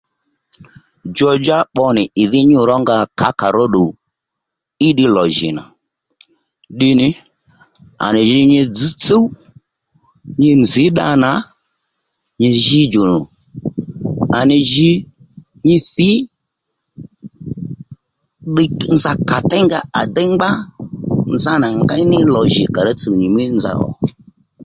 Djow-djá pbo nì ìdhí nyû rónga kǎkà róddù í lò jì nà ddì nì à ji nyi dzž tsúw nyi nzǐy dda nà nyi jí djònò à nì jǐ nyi thǐ ddiy nza kàtéy nga à déy ngba nzánà ngéy ní lò jì kà rà tsùw nyìmí nza ò